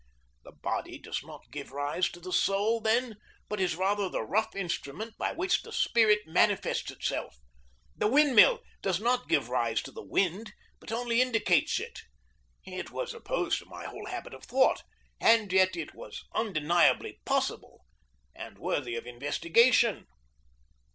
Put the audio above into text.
The body does not give rise to the soul, then, but is rather the rough instrument by which the spirit manifests itself. The windmill does not give rise to the wind, but only indicates it. It was opposed to my whole habit of thought, and yet it was undeniably possible and worthy of investigation.